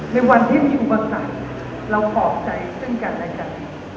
ในวันที่มีอุปสรรคเราปลอบใจซึ่งกันและกัน